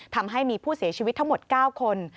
ทำให้มีผู้เสียชีวิตทั้งหมด๙คน